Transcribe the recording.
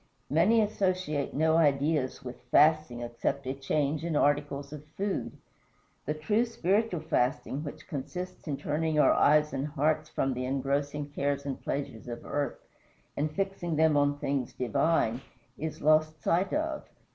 Many associate no ideas with "fasting" except a change in articles of food. The true spiritual fasting, which consists in turning our eyes and hearts from the engrossing cares and pleasures of earth and fixing them on things divine, is lost sight of.